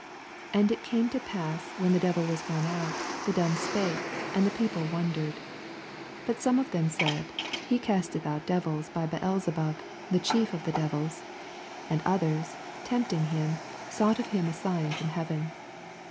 And it came to pass, when the devil was gone out, the dumb spake ; and the people wondered. 15 But some of them said, He casteth out devils through Beelze bub the chief of the devils. 16 And others, tempting Am, sought of him a sign from heaven.